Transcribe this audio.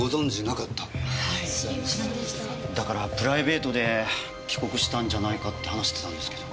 だからプライベートで帰国したんじゃないかって話してたんですけど。